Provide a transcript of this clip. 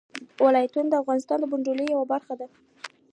ولایتونه د افغانستان د بڼوالۍ یوه برخه ده.